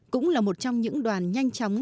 cũng là một trong những đoàn nhanh chóng